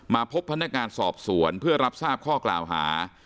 พบพนักงานสอบสวนเพื่อรับทราบข้อกล่าวหา